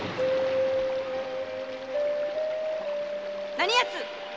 何やつ！